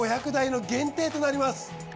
５００台の限定となります。